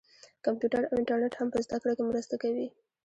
کمپیوټر او انټرنیټ هم په زده کړه کې مرسته کوي.